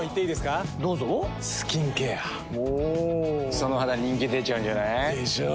その肌人気出ちゃうんじゃない？でしょう。